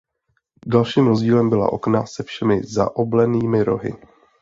Dalším rozdílem byla okna se všemi zaoblenými rohy.